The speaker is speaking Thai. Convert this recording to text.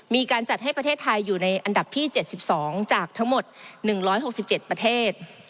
มีการจัดให้ประเทศไทยอยู่ในอันดับที่๗๒จากทั้งหมด๑๖๗ประเทศ